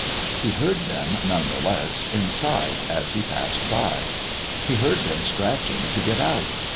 He heard them, none the less, inside, as he passed by; he heard them scratching to get out.